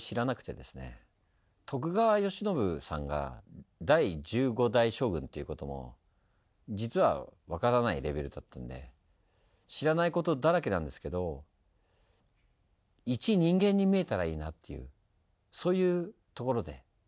徳川慶喜さんが第１５代将軍ということも実は分からないレベルだったんで知らないことだらけなんですけど一人間に見えたらいいなというそういうところで。